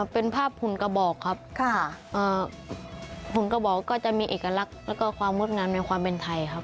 เป็นภาพหุ่นกระบอกครับหุ่นกระบอกก็จะมีเอกลักษณ์แล้วก็ความงดงามในความเป็นไทยครับ